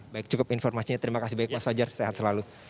baik cukup informasinya terima kasih banyak mas fajar sehat selalu